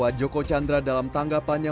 saudara irfan dengarkan ya